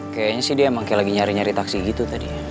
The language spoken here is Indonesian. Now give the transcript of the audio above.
kayaknya sih dia emang kayak lagi nyari nyari taksi gitu tadi